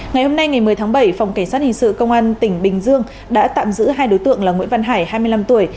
ngày hôm nay ngày một mươi tháng bảy phòng cảnh sát hình sự công an tỉnh bình dương đã tạm giữ hai đối tượng là nguyễn văn hải hai mươi năm tuổi